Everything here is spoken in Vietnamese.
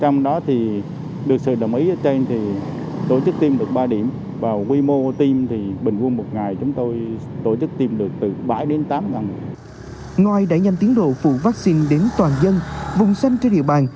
ngoài đẩy nhanh tiến độ phủ vaccine đến toàn dân vùng xanh trên địa bàn